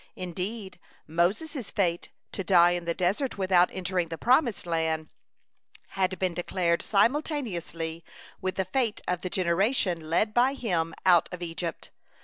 Indeed Moses' fate, to die in the desert without entering the promised land, had been decreed simultaneously with the fate of the generation led by him out of Egypt.